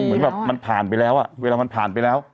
เหมือนกับมันผ่านไปแล้วอะ